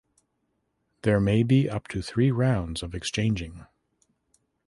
There may be up to three rounds of exchanging.